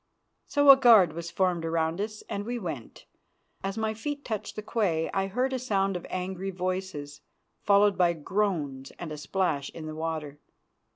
So a guard was formed round us, and we went. As my feet touched the quay I heard a sound of angry voices, followed by groans and a splash in the water.